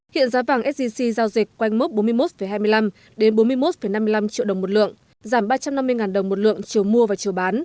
hiện giá vàng sgc giao dịch quanh mốc bốn mươi một hai mươi năm đến bốn mươi một năm mươi năm triệu đồng một lượng giảm ba trăm năm mươi đồng một lượng chiều mua và chiều bán